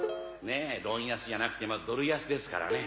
ロン・ヤスじゃなくてドル安ですからね。